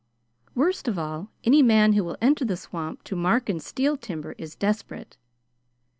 "Worst of all, any man who will enter the swamp to mark and steal timber is desperate.